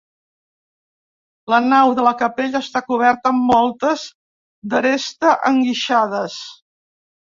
La nau de la capella està coberta amb voltes d'aresta enguixades.